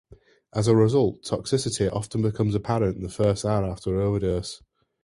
As a result, toxicity often becomes apparent in the first hour after an overdose.